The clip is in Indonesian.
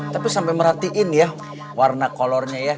tapi sampai merhatiin ya warna colornya ya